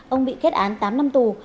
ông bị kết án tám năm tù